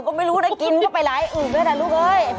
ก็ไม่รู้นะกินก็ไปหลายอื่นละลุงเลย